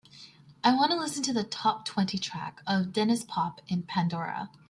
i wanna listen to a the top-twenty track of Denniz Pop in Pandora